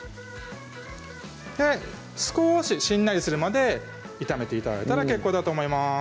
少ししんなりするまで炒めて頂いたら結構だと思います